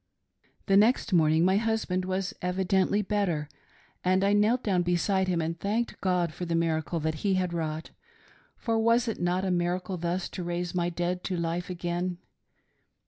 " The next morning my husband was evidently better, and I knelt down beside him and thanked God for the miracle that He had wrought ; for was it not a miracle thus to raise my dead to life again